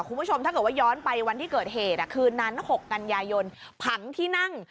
คุณผู้ชมถ้าเกิดว่าย้อนไปวันที่เกิดเหตุคืนนั้น๖กันยายนผังที่นั่ง